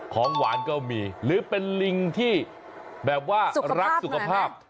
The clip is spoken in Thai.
ของหวานก็มีหรือเป็นลิงที่แบบว่ารักสุขภาพ